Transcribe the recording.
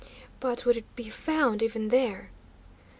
But would it be found even there?